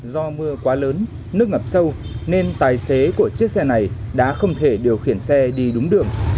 do mưa quá lớn nước ngập sâu nên tài xế của chiếc xe này đã không thể điều khiển xe đi đúng đường